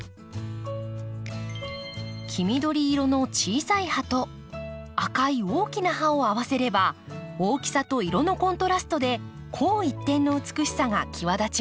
黄緑色の小さい葉と赤い大きな葉を合わせれば大きさと色のコントラストで紅一点の美しさがきわだちます。